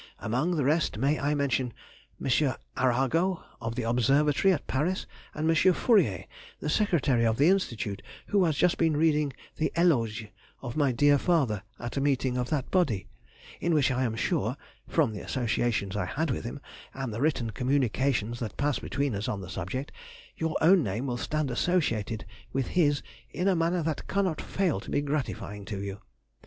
Among the rest I may mention M. Arago, of the Observatory at Paris, and M. Fourrier, the secretary of the Institute, who has just been reading the Éloge of my dear father at a meeting of that body, in which I am sure (from the associations I had with him, and the written communications that passed between us on the subject) your own name will stand associated with his in a manner that cannot fail to be gratifying to you.